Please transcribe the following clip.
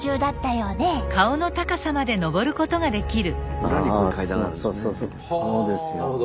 そうですよ。